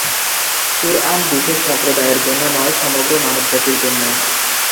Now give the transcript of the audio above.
কুরআন বিশেষ সম্প্রদায়ের জন্য নয়, সমগ্র মানব জাতির জন্য।